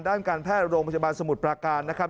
ด้านการแพทย์โรงพยาบาลสมุทรปราการนะครับ